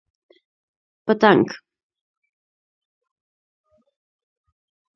🦋 پتنګ